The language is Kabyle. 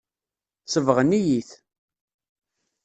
Sebɣen-iyi-t.